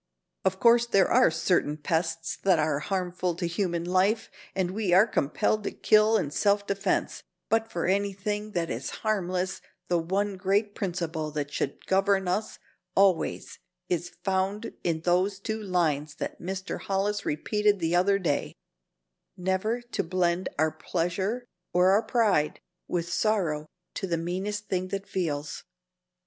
Of course there are certain pests that are harmful to human life and we are compelled to kill in self defense, but for anything that is harmless the one great principle that should govern us always is found in those two lines that Mr. Hollis repeated the other day: "'Never to blend our pleasure or our pride With sorrow to the meanest thing that feels.'"